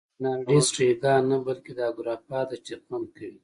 رینالډي: سټریګا نه، بلکې دا ګراپا ده چې خوند کوی.